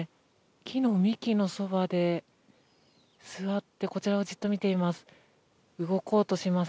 木の幹のそばで座って、こちらをじっと見ています。